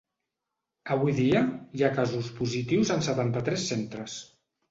Avui dia, hi ha casos positius en setanta-tres centres.